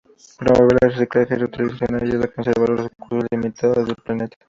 Promover el reciclaje y reutilización ayuda a conservar los recursos limitados de planeta.